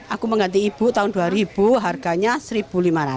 aku mengganti ibu tahun dua ribu harganya rp satu lima ratus